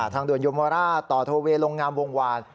ทางด่วนยมราชต่อโทเวลงงามวงวาน